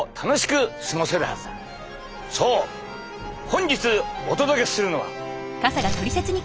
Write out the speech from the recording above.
そう本日お届けするのは。